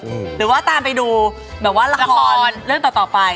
หรือว่าตามไปดูแบบว่าละครเรื่องต่อต่อไป